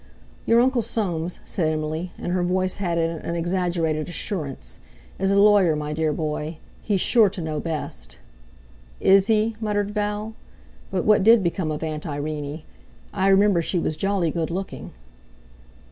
"Your Uncle Soames," said Emily, and her voice had in it an exaggerated assurance, "is a lawyer, my dear boy. He's sure to know best." "Is he?" muttered Val. "But what did become of Aunt Irene? I remember she was jolly good looking."